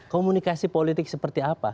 komunikasi politik seperti apa